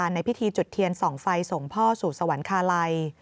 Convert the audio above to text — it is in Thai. ในพิธีจุดเทียนส่องไฟส่งพ่อสู่สวรรคาลัย